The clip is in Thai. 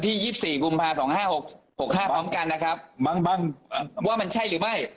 ที่ยี่สิบสี่กูมพาสองห้าหกหกพร้อมกันนะครับมันว่ามันใช่หรือไม่